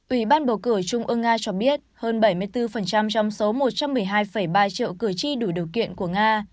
ủy ban bầu cử trung ương nga cho biết hơn bảy mươi bốn trong số một trăm một mươi hai ba triệu cử tri đủ điều kiện của nga